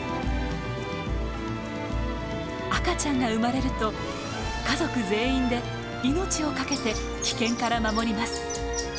赤ちゃんが生まれると家族全員で命を懸けて危険から守ります。